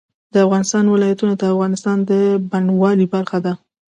د افغانستان ولايتونه د افغانستان د بڼوالۍ برخه ده.